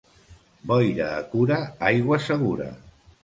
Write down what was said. Boira a Cura, aigua segura.